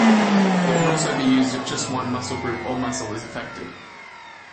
It can also be used if just one muscle group or muscle is affected.